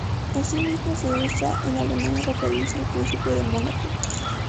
Asimismo se usa en alemán al referirse al Príncipe de Mónaco.